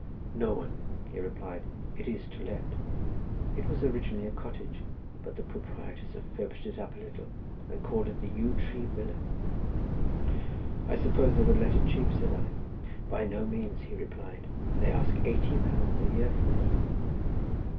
"No one," he replied, "it is to let. It was originally a cottage, but the proprietors have furbished it up a little, and call it yew tree villa." "I suppose they would let it cheap," said I. "By no means," he replied, "they ask eighty pounds a year for it."